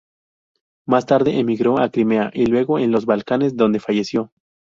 Más tarde, emigró a Crimea y luego en los Balcanes, donde falleció.